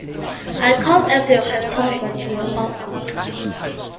I called at your hotel, but you were all out.